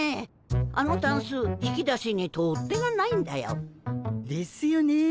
あのタンス引き出しに取っ手がないんだよ。ですよねえ。